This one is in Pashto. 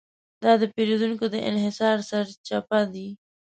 دا د پېریدونکو له انحصار سرچپه دی.